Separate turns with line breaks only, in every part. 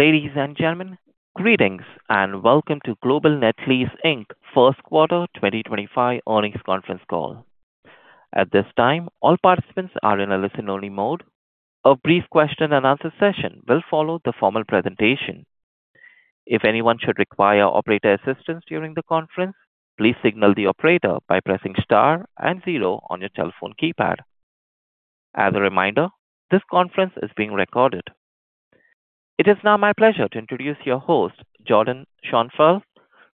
Ladies and gentlemen, greetings and welcome to Global Net Lease, Inc First Quarter 2025 earnings conference call. At this time, all participants are in a listen-only mode. A brief question-and-answer session will follow the formal presentation. If anyone should require operator assistance during the conference, please signal the operator by pressing star and zero on your telephone keypad. As a reminder, this conference is being recorded. It is now my pleasure to introduce your host, Jordyn Schoenfeld,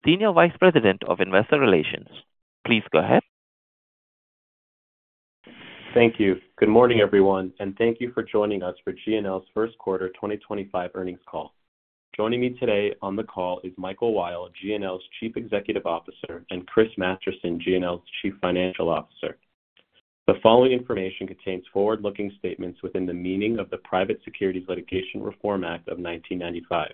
Senior Vice President of Investor Relations. Please go ahead.
Thank you. Good morning, everyone, and thank you for joining us for GNL's First Quarter 2025 earnings call. Joining me today on the call is Michael Weil, GNL's Chief Executive Officer, and Chris Masterson, GNL's Chief Financial Officer. The following information contains forward-looking statements within the meaning of the Private Securities Litigation Reform Act of 1995.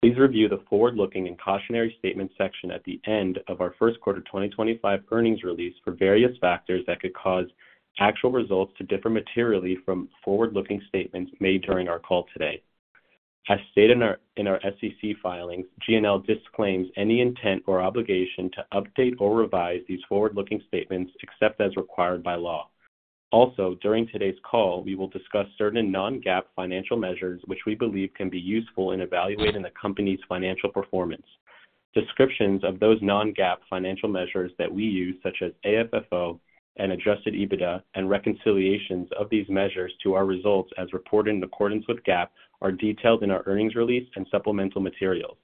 Please review the forward-looking and cautionary statement section at the end of our First Quarter 2025 earnings release for various factors that could cause actual results to differ materially from forward-looking statements made during our call today. As stated in our SEC filings, GNL disclaims any intent or obligation to update or revise these forward-looking statements except as required by law. Also, during today's call, we will discuss certain non-GAAP financial measures which we believe can be useful in evaluating the company's financial performance. Descriptions of those non-GAAP financial measures that we use, such as AFFO and adjusted EBITDA, and reconciliations of these measures to our results as reported in accordance with GAAP are detailed in our earnings release and supplemental materials.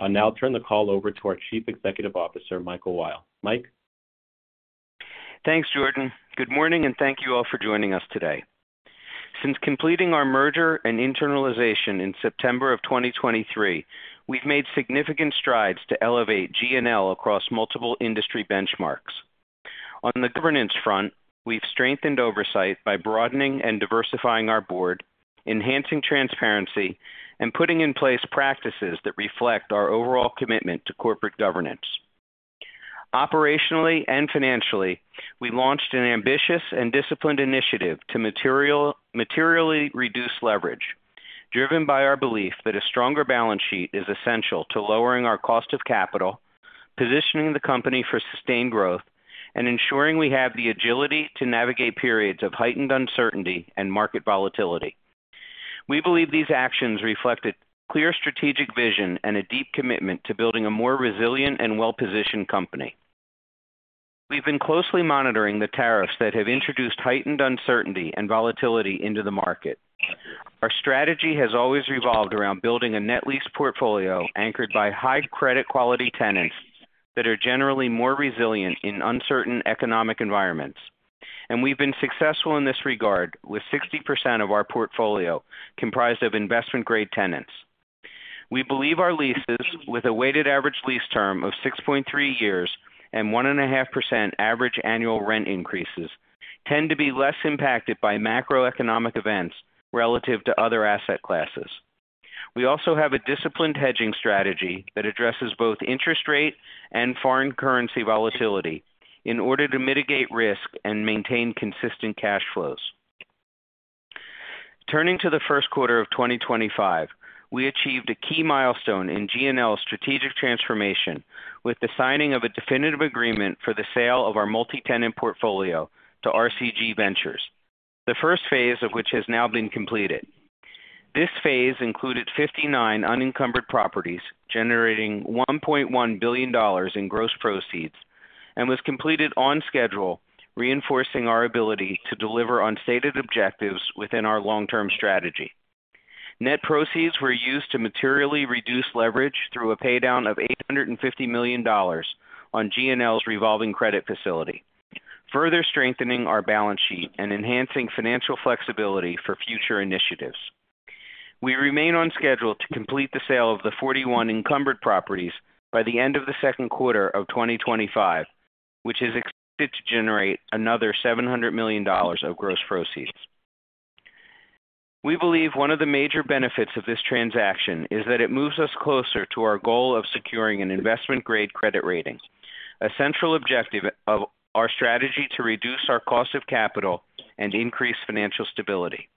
I'll now turn the call over to our Chief Executive Officer, Michael Weil. Mike.
Thanks, Jordyn. Good morning, and thank you all for joining us today. Since completing our merger and internalization in September of 2023, we've made significant strides to elevate GNL across multiple industry benchmarks. On the governance front, we've strengthened oversight by broadening and diversifying our board, enhancing transparency, and putting in place practices that reflect our overall commitment to corporate governance. Operationally and financially, we launched an ambitious and disciplined initiative to materially reduce leverage, driven by our belief that a stronger balance sheet is essential to lowering our cost of capital, positioning the company for sustained growth, and ensuring we have the agility to navigate periods of heightened uncertainty and market volatility. We believe these actions reflect a clear strategic vision and a deep commitment to building a more resilient and well-positioned company. We've been closely monitoring the tariffs that have introduced heightened uncertainty and volatility into the market. Our strategy has always revolved around building a net lease portfolio anchored by high credit quality tenants that are generally more resilient in uncertain economic environments. We have been successful in this regard with 60% of our portfolio comprised of investment-grade tenants. We believe our leases, with a weighted average lease term of 6.3 years and 1.5% average annual rent increases, tend to be less impacted by macroeconomic events relative to other asset classes. We also have a disciplined hedging strategy that addresses both interest rate and foreign currency volatility in order to mitigate risk and maintain consistent cash flows. Turning to the first quarter of 2025, we achieved a key milestone in GNL's strategic transformation with the signing of a definitive agreement for the sale of our multi-tenant portfolio to RCG Ventures, the first phase of which has now been completed. This phase included 59 unencumbered properties generating $1.1 billion in gross proceeds and was completed on schedule, reinforcing our ability to deliver on stated objectives within our long-term strategy. Net proceeds were used to materially reduce leverage through a paydown of $850 million on GNL's revolving credit facility, further strengthening our balance sheet and enhancing financial flexibility for future initiatives. We remain on schedule to complete the sale of the 41 encumbered properties by the end of the second quarter of 2025, which is expected to generate another $700 million of gross proceeds. We believe one of the major benefits of this transaction is that it moves us closer to our goal of securing an investment-grade credit rating, a central objective of our strategy to reduce our cost of capital and increase financial stability.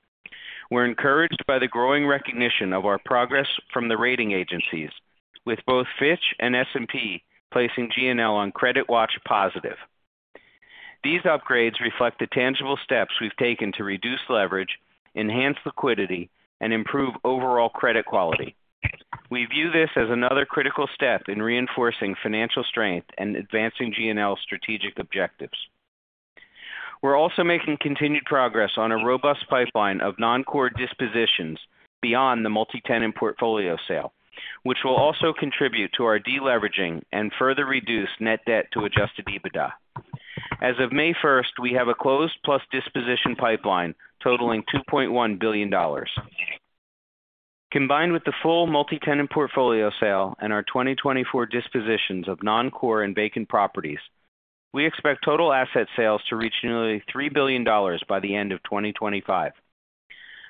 We're encouraged by the growing recognition of our progress from the rating agencies, with both Fitch and S&P placing GNL on credit watch positive. These upgrades reflect the tangible steps we've taken to reduce leverage, enhance liquidity, and improve overall credit quality. We view this as another critical step in reinforcing financial strength and advancing GNL's strategic objectives. We're also making continued progress on a robust pipeline of non-core dispositions beyond the multi-tenant portfolio sale, which will also contribute to our deleveraging and further reduce net debt to adjusted EBITDA. As of May 1st, we have a closed plus disposition pipeline totaling $2.1 billion. Combined with the full multi-tenant portfolio sale and our 2024 dispositions of non-core and vacant properties, we expect total asset sales to reach nearly $3 billion by the end of 2025.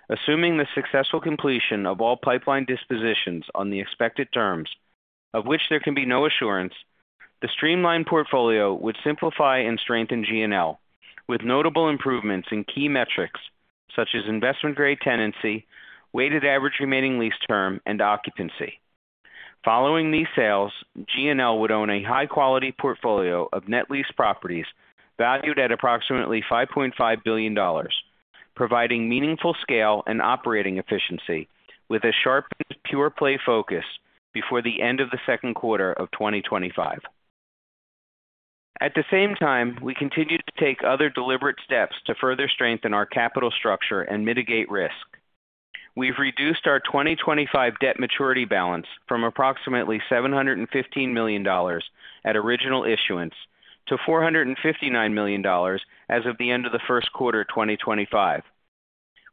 Assuming the successful completion of all pipeline dispositions on the expected terms, of which there can be no assurance, the streamlined portfolio would simplify and strengthen GNL, with notable improvements in key metrics such as investment-grade tenancy, weighted average remaining lease term, and occupancy. Following these sales, GNL would own a high-quality portfolio of net lease properties valued at approximately $5.5 billion, providing meaningful scale and operating efficiency with a sharp pure-play focus before the end of the second quarter of 2025. At the same time, we continue to take other deliberate steps to further strengthen our capital structure and mitigate risk. We've reduced our 2025 debt maturity balance from approximately $715 million at original issuance to $459 million as of the end of the first quarter of 2025.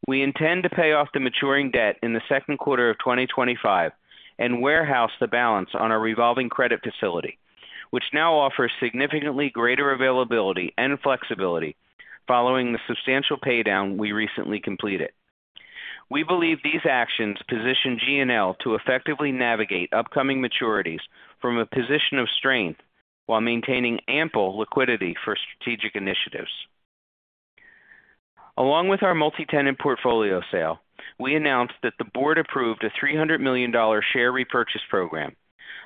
We intend to pay off the maturing debt in the second quarter of 2025 and warehouse the balance on our revolving credit facility, which now offers significantly greater availability and flexibility following the substantial paydown we recently completed. We believe these actions position GNL to effectively navigate upcoming maturities from a position of strength while maintaining ample liquidity for strategic initiatives. Along with our multi-tenant portfolio sale, we announced that the board approved a $300 million share repurchase program,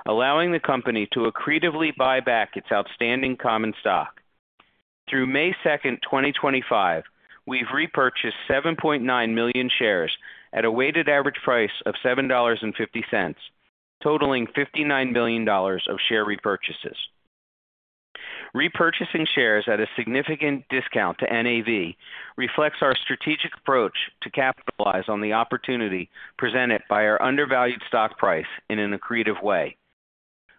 allowing the company to accretively buy back its outstanding common stock. Through May 2nd, 2025, we've repurchased 7.9 million shares at a weighted average price of $7.50, totaling $59 million of share repurchases. Repurchasing shares at a significant discount to NAV reflects our strategic approach to capitalize on the opportunity presented by our undervalued stock price in an accretive way.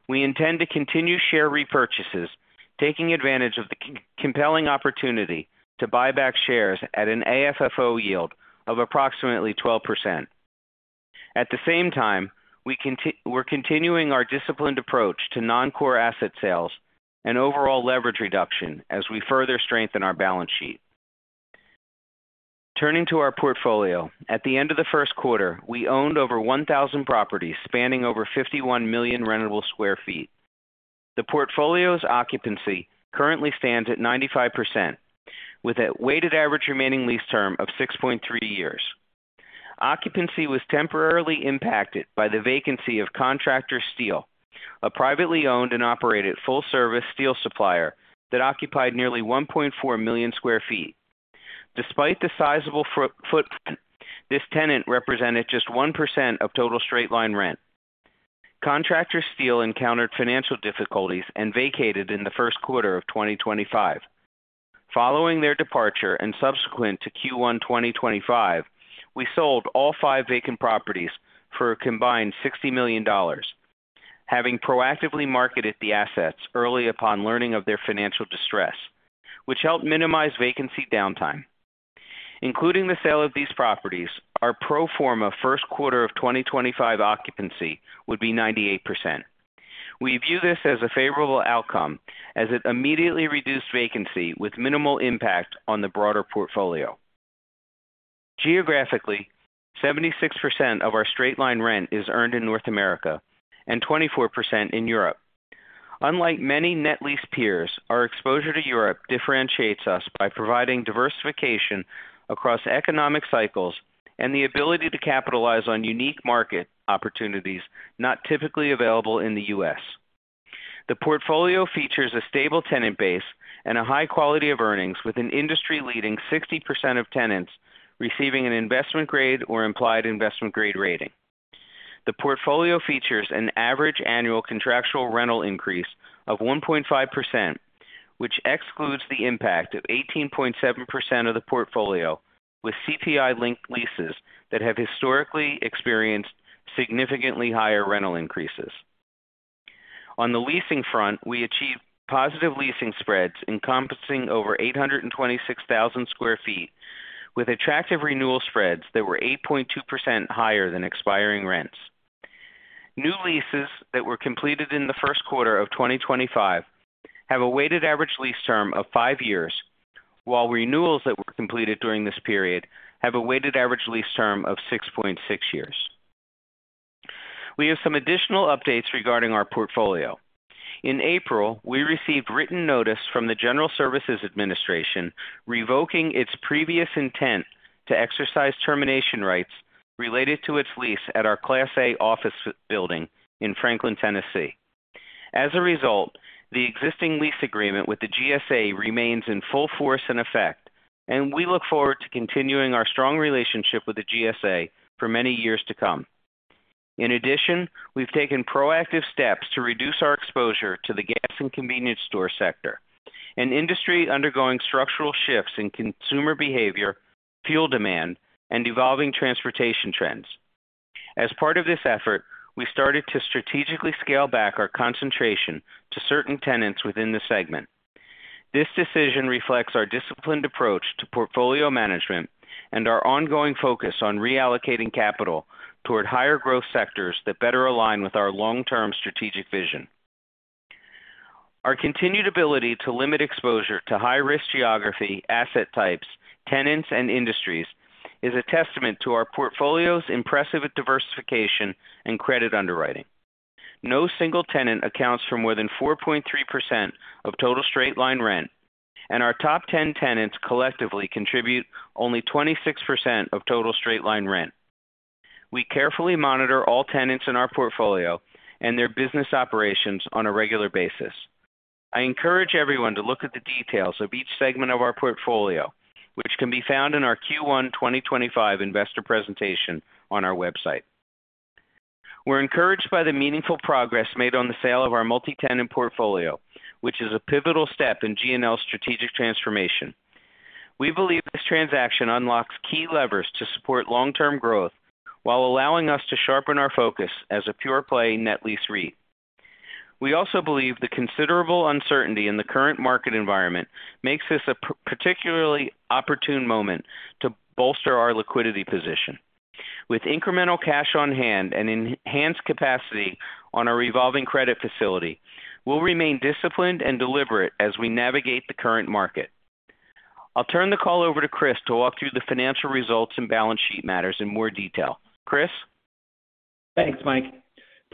We intend to continue share repurchases, taking advantage of the compelling opportunity to buy back shares at an AFFO yield of approximately 12%. At the same time, we're continuing our disciplined approach to non-core asset sales and overall leverage reduction as we further strengthen our balance sheet. Turning to our portfolio, at the end of the first quarter, we owned over 1,000 properties spanning over 51 million rentable sq ft. The portfolio's occupancy currently stands at 95%, with a weighted average remaining lease term of 6.3 years. Occupancy was temporarily impacted by the vacancy of Contractor Steel, a privately owned and operated full-service steel supplier that occupied nearly 1.4 million sq ft. Despite the sizable footprint, this tenant represented just 1% of total straight-line rent. Contractor Steel encountered financial difficulties and vacated in the first quarter of 2025. Following their departure and subsequent to Q1 2025, we sold all five vacant properties for a combined $60 million, having proactively marketed the assets early upon learning of their financial distress, which helped minimize vacancy downtime. Including the sale of these properties, our pro forma first quarter of 2025 occupancy would be 98%. We view this as a favorable outcome as it immediately reduced vacancy with minimal impact on the broader portfolio. Geographically, 76% of our straight-line rent is earned in North America and 24% in Europe. Unlike many net lease peers, our exposure to Europe differentiates us by providing diversification across economic cycles and the ability to capitalize on unique market opportunities not typically available in the U.S. The portfolio features a stable tenant base and a high quality of earnings, with an industry-leading 60% of tenants receiving an investment-grade or implied investment-grade rating. The portfolio features an average annual contractual rental increase of 1.5%, which excludes the impact of 18.7% of the portfolio, with CPI-linked leases that have historically experienced significantly higher rental increases. On the leasing front, we achieved positive leasing spreads encompassing over 826,000 sq ft, with attractive renewal spreads that were 8.2% higher than expiring rents. New leases that were completed in the first quarter of 2025 have a weighted average lease term of five years, while renewals that were completed during this period have a weighted average lease term of 6.6 years. We have some additional updates regarding our portfolio. In April, we received written notice from the General Services Administration revoking its previous intent to exercise termination rights related to its lease at our Class A office building in Franklin, Tennessee. As a result, the existing lease agreement with the GSA remains in full force and effect, and we look forward to continuing our strong relationship with the GSA for many years to come. In addition, we've taken proactive steps to reduce our exposure to the gas and convenience store sector, an industry undergoing structural shifts in consumer behavior, fuel demand, and evolving transportation trends. As part of this effort, we started to strategically scale back our concentration to certain tenants within the segment. This decision reflects our disciplined approach to portfolio management and our ongoing focus on reallocating capital toward higher growth sectors that better align with our long-term strategic vision. Our continued ability to limit exposure to high-risk geography, asset types, tenants, and industries is a testament to our portfolio's impressive diversification and credit underwriting. No single tenant accounts for more than 4.3% of total straight-line rent, and our top 10 tenants collectively contribute only 26% of total straight-line rent. We carefully monitor all tenants in our portfolio and their business operations on a regular basis. I encourage everyone to look at the details of each segment of our portfolio, which can be found in our Q1 2025 investor presentation on our website. We're encouraged by the meaningful progress made on the sale of our multi-tenant portfolio, which is a pivotal step in GNL's strategic transformation. We believe this transaction unlocks key levers to support long-term growth while allowing us to sharpen our focus as a pure-play net lease REIT. We also believe the considerable uncertainty in the current market environment makes this a particularly opportune moment to bolster our liquidity position. With incremental cash on hand and enhanced capacity on our revolving credit facility, we'll remain disciplined and deliberate as we navigate the current market. I'll turn the call over to Chris to walk through the financial results and balance sheet matters in more detail. Chris?
Thanks, Mike.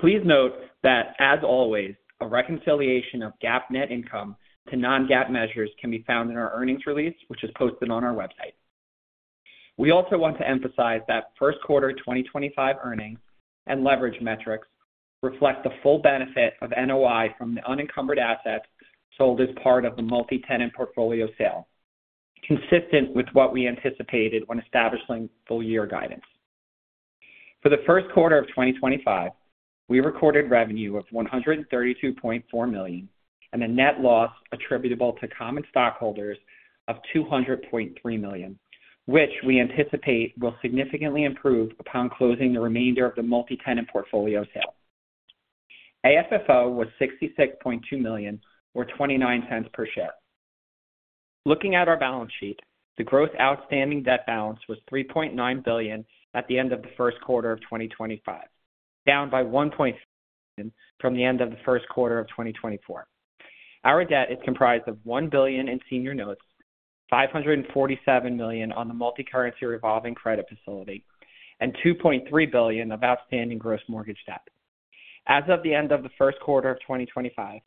Please note that, as always, a reconciliation of GAAP net income to non-GAAP measures can be found in our earnings release, which is posted on our website. We also want to emphasize that first quarter 2025 earnings and leverage metrics reflect the full benefit of NOI from the unencumbered assets sold as part of the multi-tenant portfolio sale, consistent with what we anticipated when establishing full-year guidance. For the first quarter of 2025, we recorded revenue of $132.4 million and a net loss attributable to common stockholders of $200.3 million, which we anticipate will significantly improve upon closing the remainder of the multi-tenant portfolio sale. AFFO was $66.2 million, or $0.29 per share. Looking at our balance sheet, the gross outstanding debt balance was $3.9 billion at the end of the first quarter of 2025, down by from the end of the first quarter of 2024. Our debt is comprised of $1 billion in senior notes, $547 million on the multi-currency revolving credit facility, and $2.3 billion of outstanding gross mortgage debt. As of the end of the first quarter of 2025,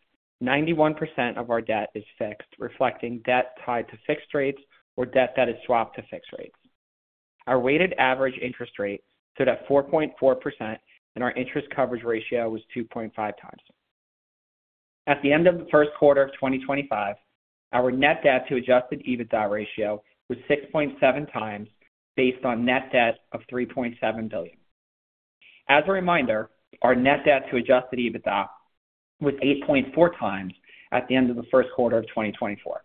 91% of our debt is fixed, reflecting debt tied to fixed rates or debt that is swapped to fixed rates. Our weighted average interest rate stood at 4.4%, and our interest coverage ratio was 2.5 times. At the end of the first quarter of 2025, our net debt to adjusted EBITDA ratio was 6.7 times based on net debt of $3.7 billion. As a reminder, our net debt to adjusted EBITDA was 8.4 times at the end of the first quarter of 2024.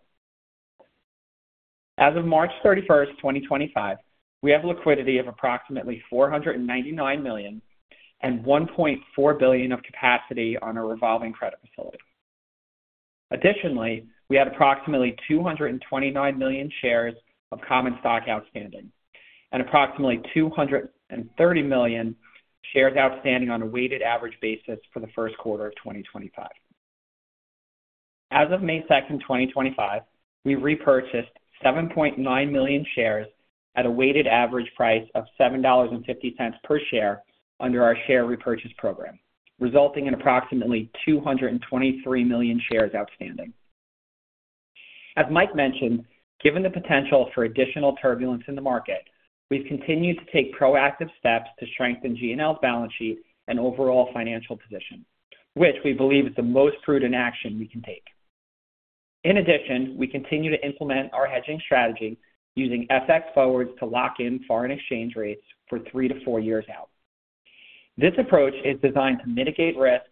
As of March 31st, 2025, we have liquidity of approximately $499 million and $1.4 billion of capacity on our revolving credit facility. Additionally, we have approximately 229 million shares of common stock outstanding and approximately 230 million shares outstanding on a weighted average basis for the first quarter of 2025. As of May 2nd, 2025, we repurchased 7.9 million shares at a weighted average price of $7.50 per share under our share repurchase program, resulting in approximately 223 million shares outstanding. As Mike mentioned, given the potential for additional turbulence in the market, we've continued to take proactive steps to strengthen GNL's balance sheet and overall financial position, which we believe is the most prudent action we can take. In addition, we continue to implement our hedging strategy using FX forwards to lock in foreign exchange rates for three to four years out. This approach is designed to mitigate risk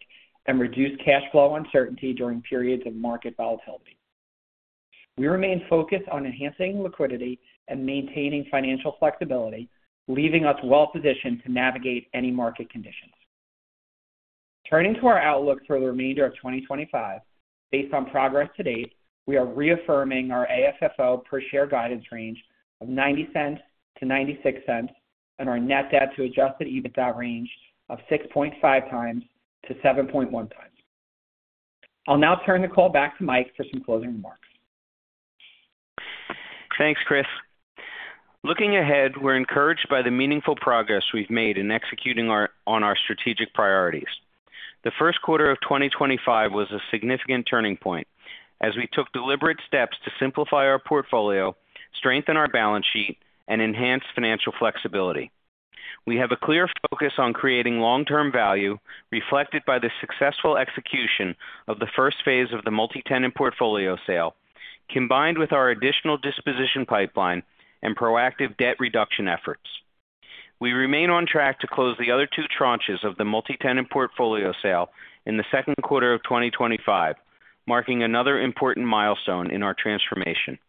and reduce cash flow uncertainty during periods of market volatility. We remain focused on enhancing liquidity and maintaining financial flexibility, leaving us well-positioned to navigate any market conditions. Turning to our outlook for the remainder of 2025, based on progress to date, we are reaffirming our AFFO per share guidance range of $0.90-$0.96 and our net debt to adjusted EBITDA range of 6.5 times-7.1 times. I'll now turn the call back to Mike for some closing remarks.
Thanks, Chris. Looking ahead, we're encouraged by the meaningful progress we've made in executing on our strategic priorities. The first quarter of 2025 was a significant turning point as we took deliberate steps to simplify our portfolio, strengthen our balance sheet, and enhance financial flexibility. We have a clear focus on creating long-term value reflected by the successful execution of the first phase of the multi-tenant portfolio sale, combined with our additional disposition pipeline and proactive debt reduction efforts. We remain on track to close the other two tranches of the multi-tenant portfolio sale in the second quarter of 2025, marking another important milestone in our transformation.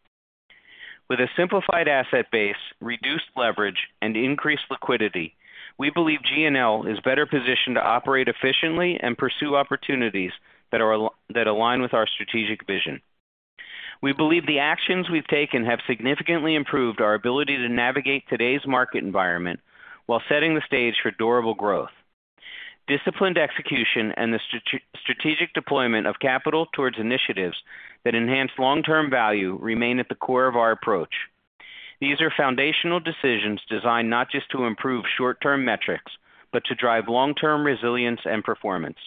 With a simplified asset base, reduced leverage, and increased liquidity, we believe GNL is better positioned to operate efficiently and pursue opportunities that align with our strategic vision. We believe the actions we've taken have significantly improved our ability to navigate today's market environment while setting the stage for durable growth. Disciplined execution and the strategic deployment of capital towards initiatives that enhance long-term value remain at the core of our approach. These are foundational decisions designed not just to improve short-term metrics, but to drive long-term resilience and performance.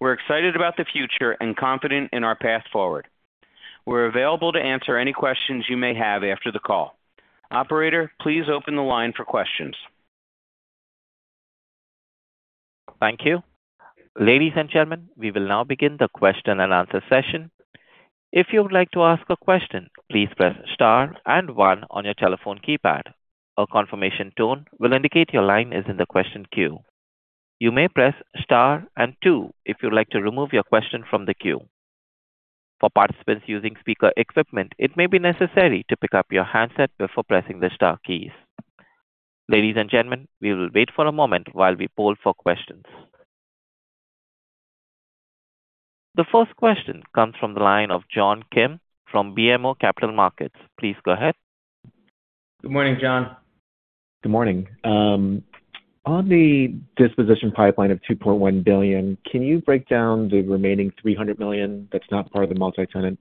We're excited about the future and confident in our path forward. We're available to answer any questions you may have after the call. Operator, please open the line for questions.
Thank you. Ladies and gentlemen, we will now begin the question and answer session. If you would like to ask a question, please press star and one on your telephone keypad. A confirmation tone will indicate your line is in the question queue. You may press star and two if you'd like to remove your question from the queue. For participants using speaker equipment, it may be necessary to pick up your handset before pressing the star keys. Ladies and gentlemen, we will wait for a moment while we poll for questions. The first question comes from the line of John Kim from BMO Capital Markets. Please go ahead.
Good morning, John.
Good morning. On the disposition pipeline of $2.1 billion, can you break down the remaining $300 million that's not part of the multi-tenant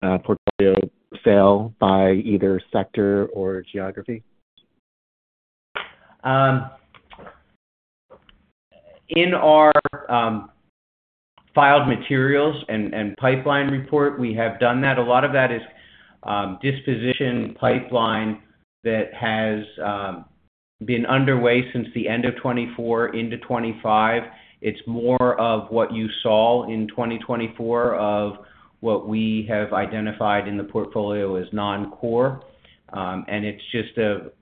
portfolio sale by either sector or geography?
In our filed materials and pipeline report, we have done that. A lot of that is disposition pipeline that has been underway since the end of 2024 into 2025. It's more of what you saw in 2024 of what we have identified in the portfolio as non-core, and it's just a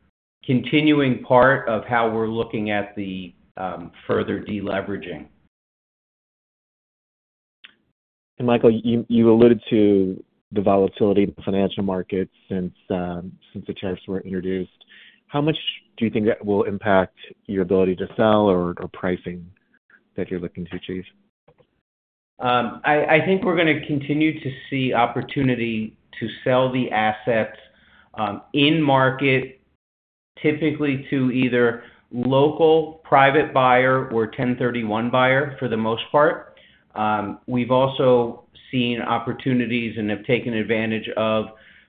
continuing part of how we're looking at the further deleveraging.
Michael, you alluded to the volatility in the financial markets since the tariffs were introduced. How much do you think that will impact your ability to sell or pricing that you're looking to achieve?
I think we're going to continue to see opportunity to sell the assets in market, typically to either local private buyer or 1031 buyer for the most part. We've also seen opportunities and have taken advantage of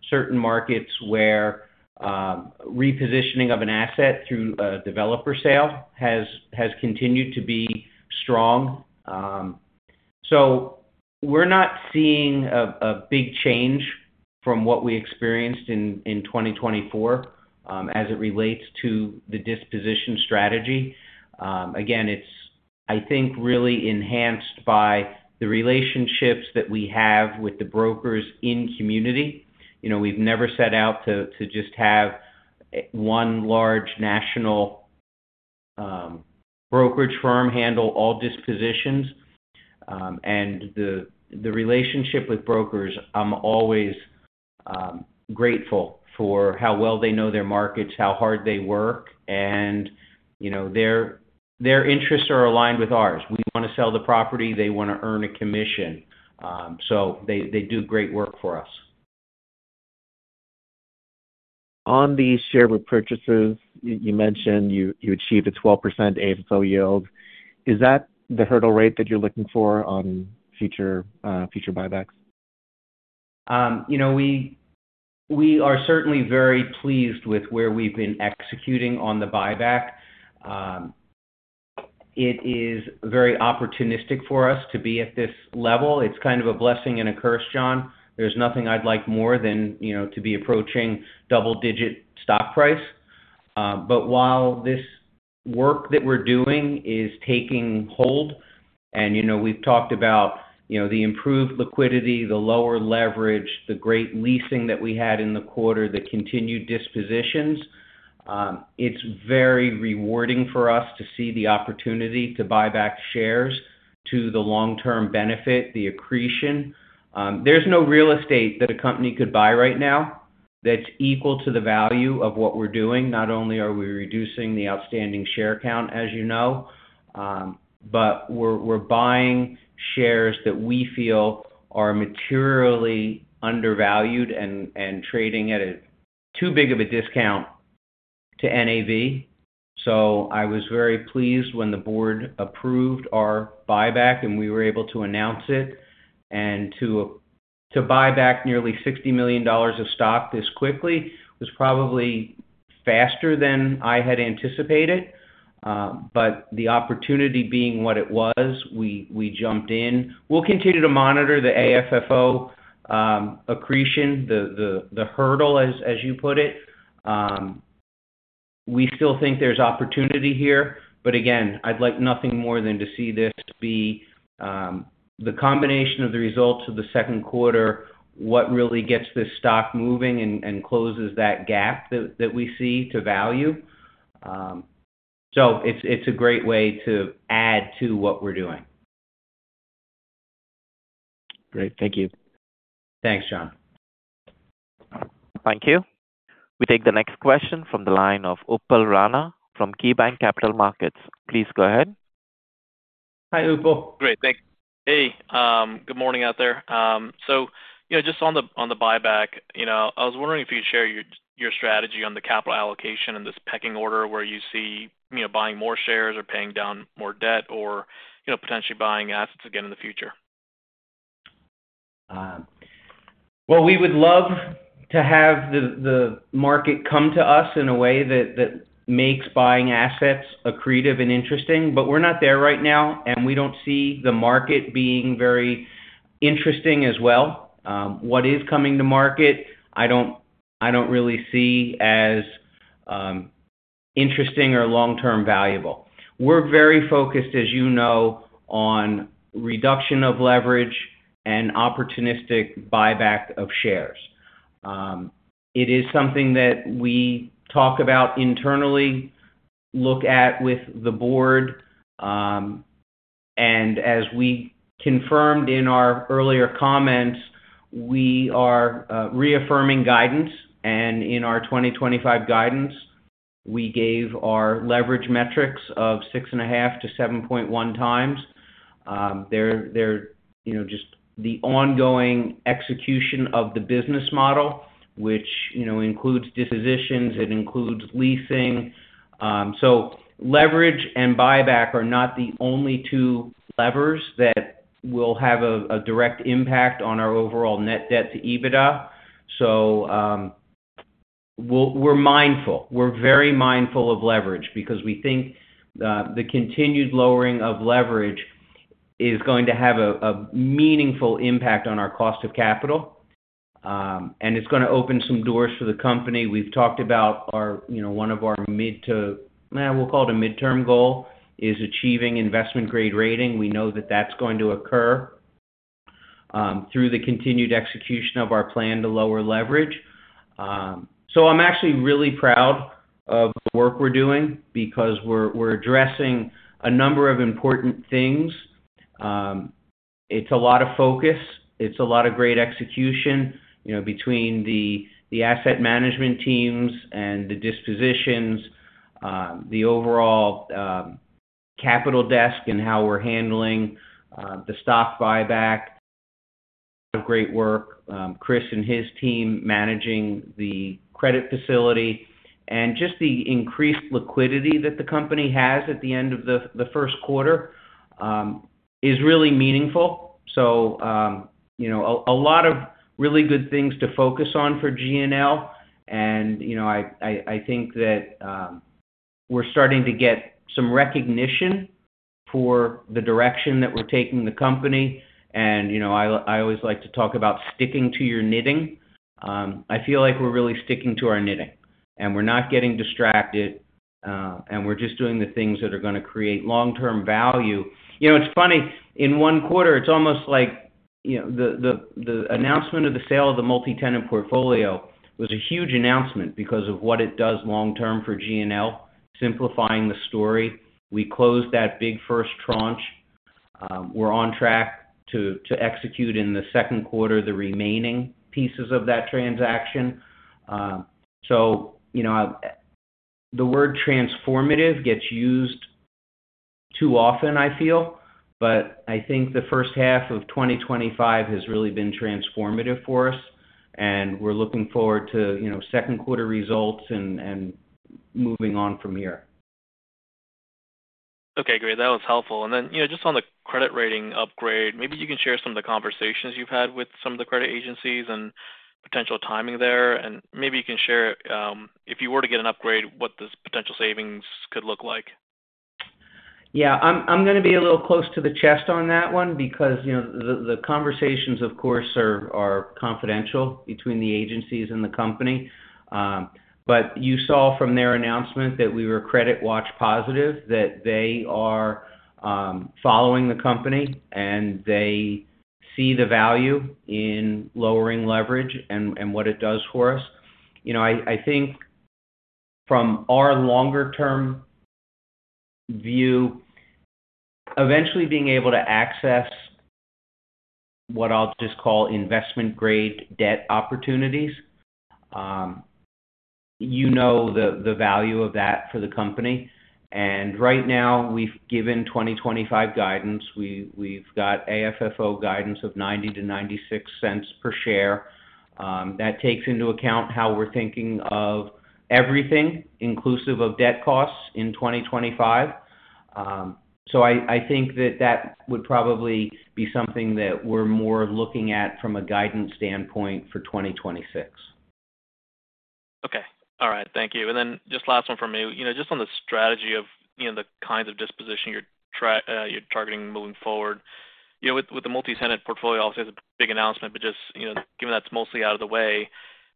certain markets where repositioning of an asset through a developer sale has continued to be strong. We are not seeing a big change from what we experienced in 2024 as it relates to the disposition strategy. Again, it's, I think, really enhanced by the relationships that we have with the brokers in community. We've never set out to just have one large national brokerage firm handle all dispositions. The relationship with brokers, I'm always grateful for how well they know their markets, how hard they work, and their interests are aligned with ours. We want to sell the property. They want to earn a commission. They do great work for us. On the share repurchases, you mentioned you achieved a 12% AFFO yield. Is that the hurdle rate that you're looking for on future buybacks? We are certainly very pleased with where we've been executing on the buyback. It is very opportunistic for us to be at this level. It's kind of a blessing and a curse, John. There's nothing I'd like more than to be approaching double-digit stock price. While this work that we're doing is taking hold, and we've talked about the improved liquidity, the lower leverage, the great leasing that we had in the quarter, the continued dispositions, it's very rewarding for us to see the opportunity to buy back shares to the long-term benefit, the accretion. There's no real estate that a company could buy right now that's equal to the value of what we're doing. Not only are we reducing the outstanding share count, as you know, but we're buying shares that we feel are materially undervalued and trading at too big of a discount to NAV. I was very pleased when the board approved our buyback and we were able to announce it. To buy back nearly $60 million of stock this quickly was probably faster than I had anticipated. The opportunity being what it was, we jumped in. We'll continue to monitor the AFFO accretion, the hurdle, as you put it. We still think there's opportunity here. Again, I'd like nothing more than to see this be the combination of the results of the second quarter, what really gets this stock moving and closes that gap that we see to value. It's a great way to add to what we're doing.
Great. Thank you.
Thanks, John.
Thank you. We take the next question from the line of Uppal Rana from KeyBank Capital Markets. Please go ahead.
Hi, Upal.
Great. Thanks. Hey, good morning out there. Just on the buyback, I was wondering if you'd share your strategy on the capital allocation and this pecking order where you see buying more shares or paying down more debt or potentially buying assets again in the future?
We would love to have the market come to us in a way that makes buying assets accretive and interesting. However, we are not there right now, and we do not see the market being very interesting as well. What is coming to market, I do not really see as interesting or long-term valuable. We are very focused, as you know, on reduction of leverage and opportunistic buyback of shares. It is something that we talk about internally, look at with the board. As we confirmed in our earlier comments, we are reaffirming guidance. In our 2025 guidance, we gave our leverage metrics of 6.5-7.1 times. They are just the ongoing execution of the business model, which includes dispositions. It includes leasing. Leverage and buyback are not the only two levers that will have a direct impact on our overall net debt to EBITDA. We are mindful. We're very mindful of leverage because we think the continued lowering of leverage is going to have a meaningful impact on our cost of capital, and it's going to open some doors for the company. We've talked about one of our mid to, we'll call it a midterm goal, is achieving investment-grade rating. We know that that's going to occur through the continued execution of our plan to lower leverage. I'm actually really proud of the work we're doing because we're addressing a number of important things. It's a lot of focus. It's a lot of great execution between the asset management teams and the dispositions, the overall capital desk and how we're handling the stock buyback. Great work. Chris and his team managing the credit facility and just the increased liquidity that the company has at the end of the first quarter is really meaningful. A lot of really good things to focus on for GNL. I think that we're starting to get some recognition for the direction that we're taking the company. I always like to talk about sticking to your knitting. I feel like we're really sticking to our knitting, and we're not getting distracted, and we're just doing the things that are going to create long-term value. It's funny. In one quarter, it's almost like the announcement of the sale of the multi-tenant portfolio was a huge announcement because of what it does long-term for GNL, simplifying the story. We closed that big first tranche. We're on track to execute in the second quarter the remaining pieces of that transaction. The word transformative gets used too often, I feel. I think the first half of 2025 has really been transformative for us, and we're looking forward to second quarter results and moving on from here.
Okay. Great. That was helpful. Then just on the credit rating upgrade, maybe you can share some of the conversations you've had with some of the credit agencies and potential timing there. Maybe you can share, if you were to get an upgrade, what this potential savings could look like?
Yeah. I'm going to be a little close to the chest on that one because the conversations, of course, are confidential between the agencies and the company. You saw from their announcement that we were credit watch positive, that they are following the company, and they see the value in lowering leverage and what it does for us. I think from our longer-term view, eventually being able to access what I'll just call investment-grade debt opportunities, you know the value of that for the company. Right now, we've given 2025 guidance. We've got AFFO guidance of $0.90-$0.96 per share. That takes into account how we're thinking of everything, inclusive of debt costs in 2025. I think that that would probably be something that we're more looking at from a guidance standpoint for 2026.
Okay. All right. Thank you. Just last one for me. Just on the strategy of the kinds of disposition you're targeting moving forward, with the multi-tenant portfolio, obviously, it's a big announcement. Just given that's mostly out of the way,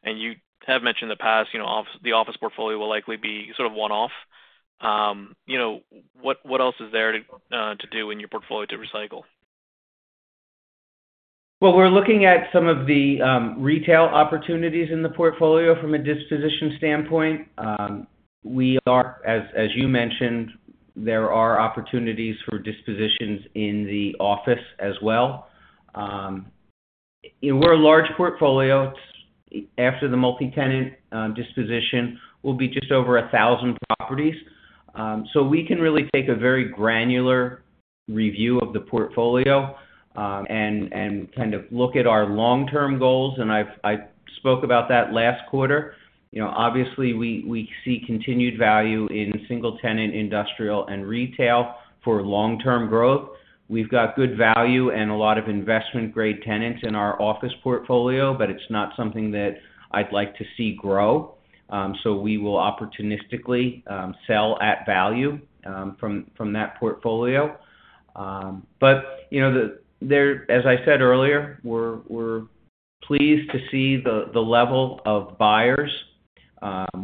and you have mentioned in the past, the office portfolio will likely be sort of one-off, what else is there to do in your portfolio to recycle?
We're looking at some of the retail opportunities in the portfolio from a disposition standpoint. As you mentioned, there are opportunities for dispositions in the office as well. We're a large portfolio. After the multi-tenant disposition, we'll be just over 1,000 properties. We can really take a very granular review of the portfolio and kind of look at our long-term goals. I spoke about that last quarter. Obviously, we see continued value in single-tenant industrial and retail for long-term growth. We've got good value and a lot of investment-grade tenants in our office portfolio, but it's not something that I'd like to see grow. We will opportunistically sell at value from that portfolio. As I said earlier, we're pleased to see the level of buyers.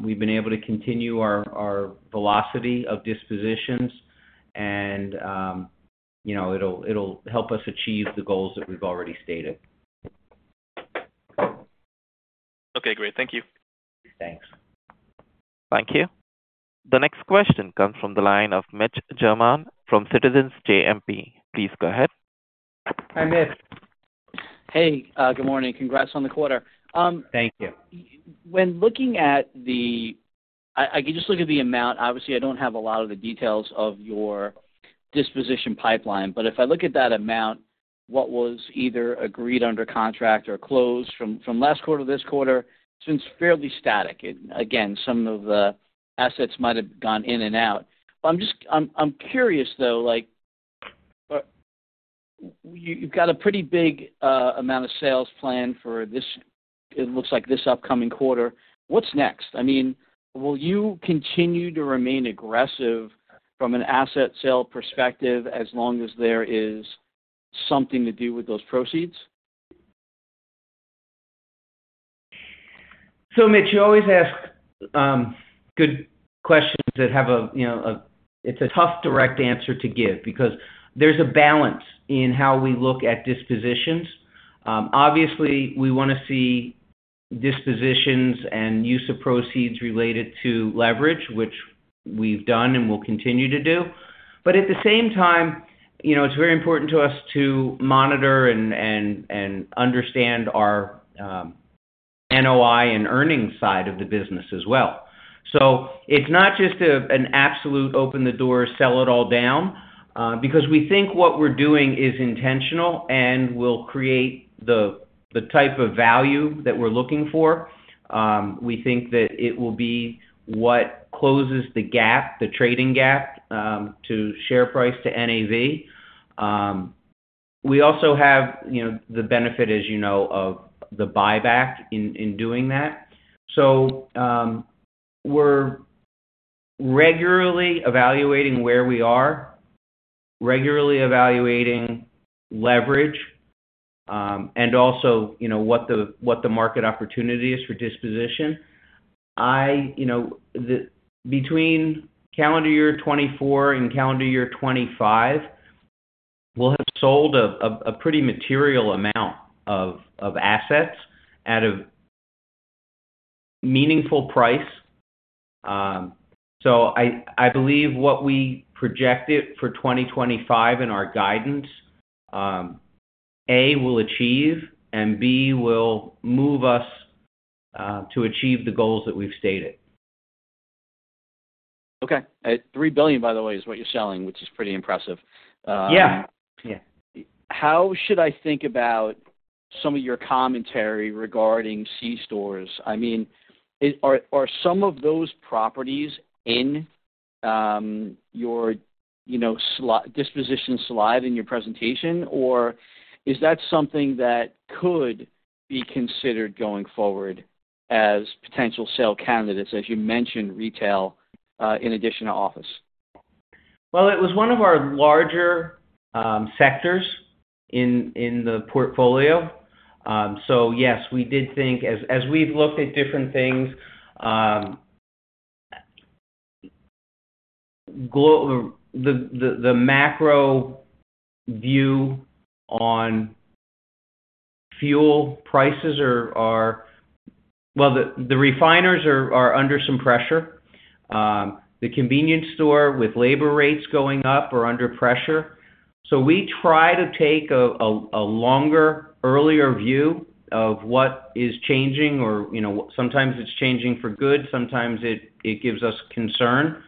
We've been able to continue our velocity of dispositions, and it'll help us achieve the goals that we've already stated.
Okay. Great. Thank you.
Thanks.
Thank you. The next question comes from the line of Mitch Germain from Citizens JMP. Please go ahead.
Hi, Mitch.
Hey. Good morning. Congrats on the quarter.
Thank you.
When looking at the—I can just look at the amount. Obviously, I do not have a lot of the details of your disposition pipeline. But if I look at that amount, what was either agreed under contract or closed from last quarter to this quarter, it has been fairly static. Again, some of the assets might have gone in and out. I am curious, though, you have got a pretty big amount of sales planned for, it looks like, this upcoming quarter. What is next? I mean, will you continue to remain aggressive from an asset sale perspective as long as there is something to do with those proceeds?
Mitch, you always ask good questions that have a—it's a tough direct answer to give because there's a balance in how we look at dispositions. Obviously, we want to see dispositions and use of proceeds related to leverage, which we've done and will continue to do. At the same time, it's very important to us to monitor and understand our NOI and earnings side of the business as well. It's not just an absolute open the door, sell it all down because we think what we're doing is intentional and will create the type of value that we're looking for. We think that it will be what closes the gap, the trading gap, to share price to NAV. We also have the benefit, as you know, of the buyback in doing that. We're regularly evaluating where we are, regularly evaluating leverage, and also what the market opportunity is for disposition. Between calendar year 2024 and calendar year 2025, we'll have sold a pretty material amount of assets at a meaningful price. I believe what we projected for 2025 in our guidance, A, will achieve, and B, will move us to achieve the goals that we've stated.
Okay. $3 billion, by the way, is what you're selling, which is pretty impressive.
Yeah. Yeah.
How should I think about some of your commentary regarding C-stores? I mean, are some of those properties in your disposition slide in your presentation, or is that something that could be considered going forward as potential sale candidates, as you mentioned, retail in addition to office?
It was one of our larger sectors in the portfolio. Yes, we did think, as we've looked at different things, the macro view on fuel prices are, well, the refiners are under some pressure. The convenience store with labor rates going up are under pressure. We try to take a longer, earlier view of what is changing. Sometimes it's changing for good. Sometimes it gives us concern.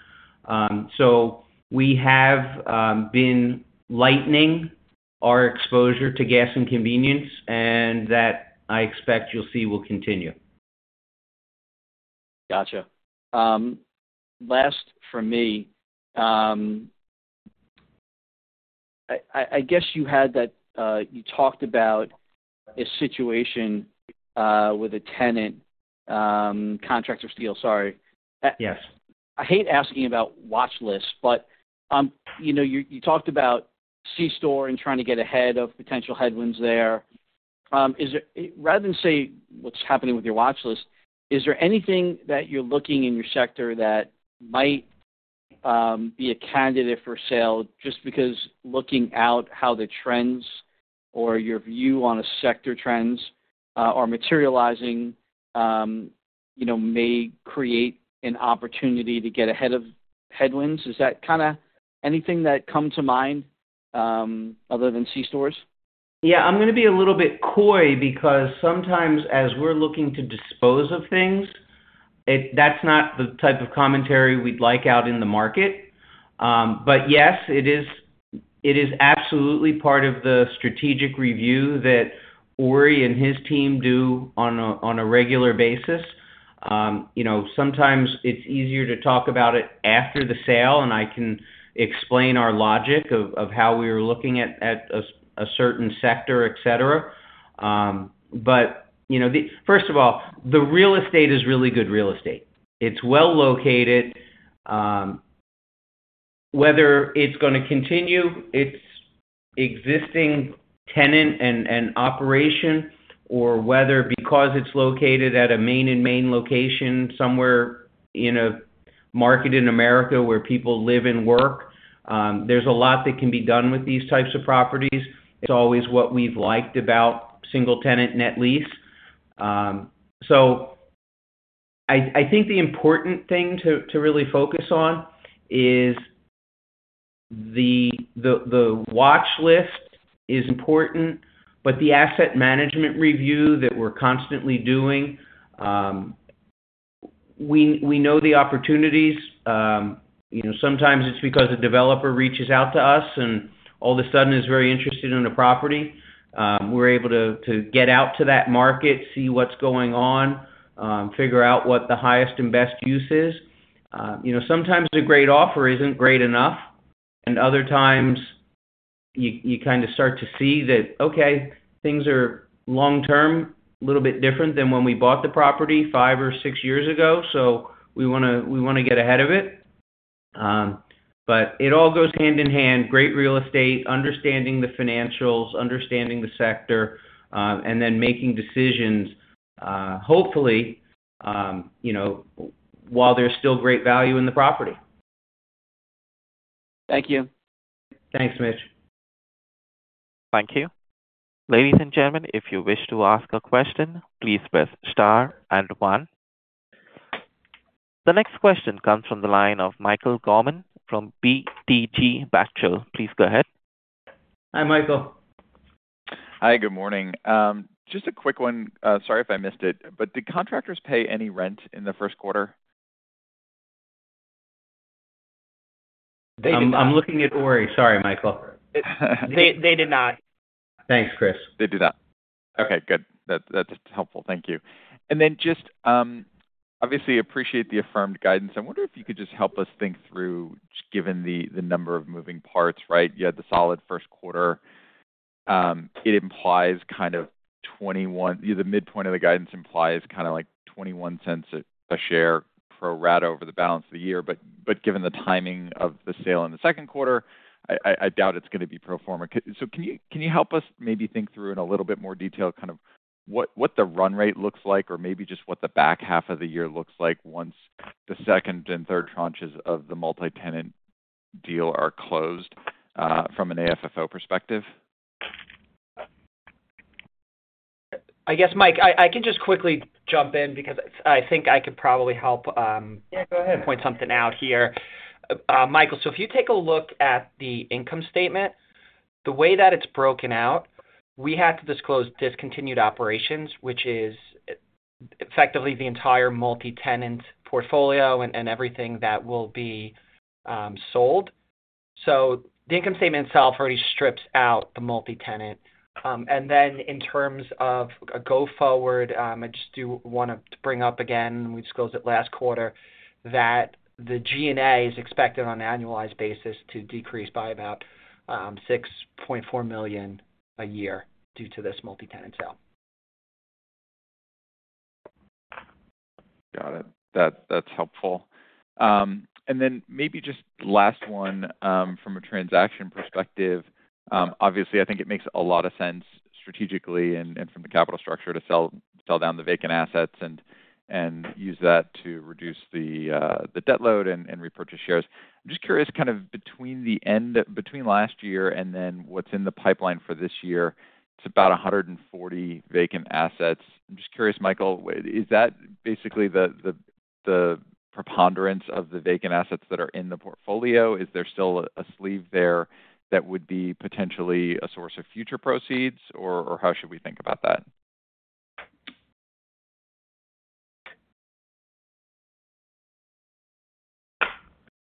We have been lightening our exposure to gas and convenience, and that I expect you'll see will continue.
Gotcha. Last for me, I guess you had that you talked about a situation with a tenant, Contractor Steel, sorry.
Yes.
I hate asking about watchlists, but you talked about C-store and trying to get ahead of potential headwinds there. Rather than say what's happening with your watchlist, is there anything that you're looking in your sector that might be a candidate for sale just because looking out how the trends or your view on sector trends are materializing may create an opportunity to get ahead of headwinds? Is that kind of anything that comes to mind other than C-stores?
Yeah. I'm going to be a little bit coy because sometimes as we're looking to dispose of things, that's not the type of commentary we'd like out in the market. Yes, it is absolutely part of the strategic review that Ori and his team do on a regular basis. Sometimes it's easier to talk about it after the sale, and I can explain our logic of how we were looking at a certain sector, etc. First of all, the real estate is really good real estate. It's well located. Whether it's going to continue its existing tenant and operation or whether because it's located at a main-in-main location somewhere in a market in America where people live and work, there's a lot that can be done with these types of properties. It's always what we've liked about single-tenant net lease. I think the important thing to really focus on is the watchlist is important, but the asset management review that we're constantly doing, we know the opportunities. Sometimes it's because a developer reaches out to us and all of a sudden is very interested in a property. We're able to get out to that market, see what's going on, figure out what the highest and best use is. Sometimes a great offer isn't great enough, and other times you kind of start to see that, okay, things are long-term a little bit different than when we bought the property five or six years ago. We want to get ahead of it. It all goes hand in hand: great real estate, understanding the financials, understanding the sector, and then making decisions, hopefully, while there's still great value in the property.
Thank you.
Thanks, Mitch.
Thank you. Ladies and gentlemen, if you wish to ask a question, please press star and one. The next question comes from the line of Michael Gorman from BTIG. Please go ahead.
Hi, Michael.
Hi. Good morning. Just a quick one. Sorry if I missed it. Did Contractor Steel pay any rent in the first quarter? They did not.
I'm looking at Ori. Sorry, Michael.
They did not.
Thanks, Chris.
They did not. Okay. Good. That's helpful. Thank you. I wonder if you could just help us think through, given the number of moving parts, right? You had the solid first quarter. It implies kind of $0.21—the midpoint of the guidance implies kind of like $0.21 a share pro rata over the balance of the year. Given the timing of the sale in the second quarter, I doubt it's going to be pro forma. Can you help us maybe think through in a little bit more detail kind of what the run rate looks like or maybe just what the back half of the year looks like once the second and third tranches of the multi-tenant deal are closed from an AFFO perspective?
I guess, Mike, I can just quickly jump in because I think I could probably help.
Yeah. Go ahead.
Point something out here. Michael, so if you take a look at the income statement, the way that it's broken out, we had to disclose discontinued operations, which is effectively the entire multi-tenant portfolio and everything that will be sold. The income statement itself already strips out the multi-tenant. In terms of a go-forward, I just do want to bring up again, we disclosed it last quarter, that the G&A is expected on an annualized basis to decrease by about $6.4 million a year due to this multi-tenant sale.
Got it. That's helpful. Maybe just last one from a transaction perspective. Obviously, I think it makes a lot of sense strategically and from the capital structure to sell down the vacant assets and use that to reduce the debt load and repurchase shares. I'm just curious kind of between last year and then what's in the pipeline for this year, it's about 140 vacant assets. I'm just curious, Michael, is that basically the preponderance of the vacant assets that are in the portfolio? Is there still a sleeve there that would be potentially a source of future proceeds, or how should we think about that?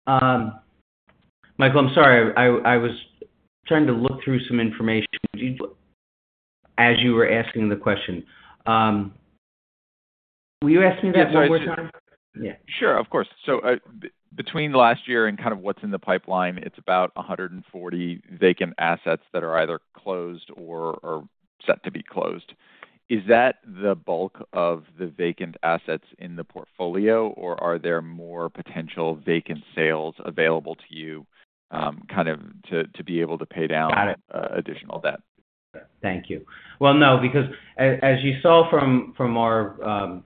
Michael, I'm sorry. I was trying to look through some information as you were asking the question. Will you ask me that one more time? Yeah.
Sure. Of course. So between last year and kind of what's in the pipeline, it's about 140 vacant assets that are either closed or set to be closed. Is that the bulk of the vacant assets in the portfolio, or are there more potential vacant sales available to you kind of to be able to pay down additional debt?
Got it. Thank you. No, because as you saw from our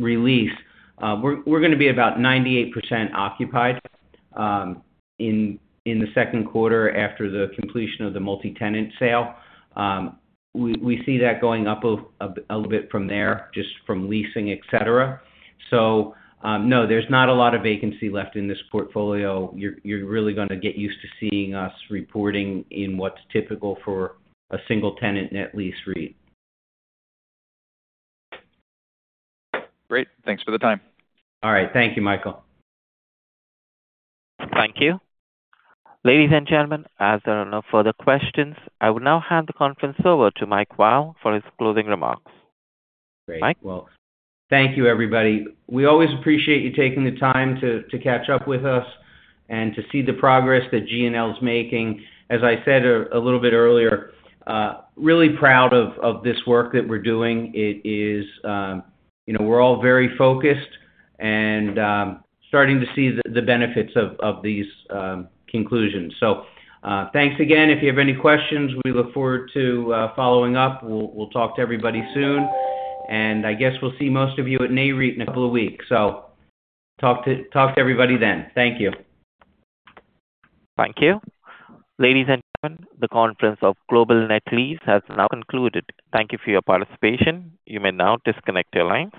release, we're going to be about 98% occupied in the second quarter after the completion of the multi-tenant sale. We see that going up a little bit from there just from leasing, etc. No, there's not a lot of vacancy left in this portfolio. You're really going to get used to seeing us reporting in what's typical for a single-tenant net lease rate.
Great. Thanks for the time.
All right. Thank you, Michael.
Thank you. Ladies and gentlemen, as there are no further questions, I will now hand the conference over to Michael Weil for his closing remarks.
Great. Thank you, everybody. We always appreciate you taking the time to catch up with us and to see the progress that GNL is making. As I said a little bit earlier, really proud of this work that we're doing. We're all very focused and starting to see the benefits of these conclusions. Thanks again. If you have any questions, we look forward to following up. We'll talk to everybody soon. I guess we'll see most of you at Nareit in a couple of weeks. Talk to everybody then. Thank you.
Thank you. Ladies and gentlemen, the conference of Global Net Lease has now concluded. Thank you for your participation. You may now disconnect your lines.